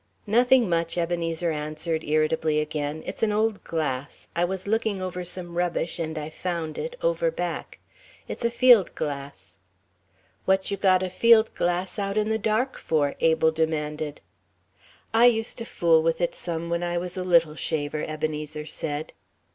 "Nothing much," Ebenezer answered, irritably again. "It's an old glass. I was looking over some rubbish, and I found it over back. It's a field glass." "What you got a field glass out in the dark for?" Abel demanded. "I used to fool with it some when I was a little shaver," Ebenezer said.